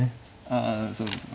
ああそうですね。